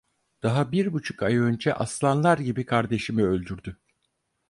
Daha bir buçuk ay önce aslanlar gibi kardeşimi öldürdü.